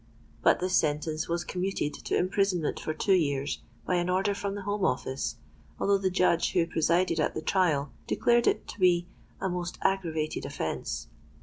But this sentence was commuted to imprisonment for two years, by an order from the Home Office, although the judge who presided at the trial declared it to be a most aggravated offence.